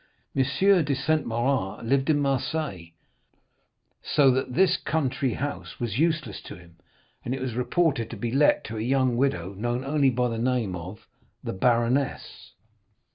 M. de Saint Méran lived at Marseilles, so that this country house was useless to him, and it was reported to be let to a young widow, known only by the name of 'the Baroness.